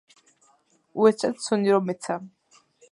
უეცრად სუნი რომ ეცა.